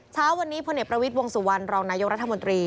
เช้าวันนี้พลเอกประวิทย์วงสุวรรณรองนายกรัฐมนตรี